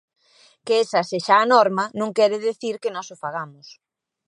Que esa sexa a norma, non quere dicir que nós o fagamos.